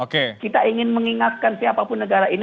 kita ingin mengingatkan siapapun negara ini